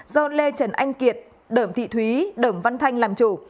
do lê trần anh kiệt đởm thị thúy đởm văn thanh làm chủ